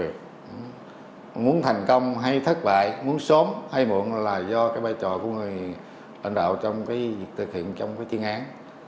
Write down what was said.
muốn thành công hay thất bại muốn sớm hay muộn là do cái vai trò của người lãnh đạo trong cái việc thực hiện trong cái tiên án